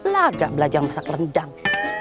lagak belajar masak rendang